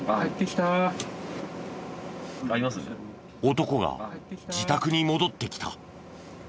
男が自宅に戻ってきた。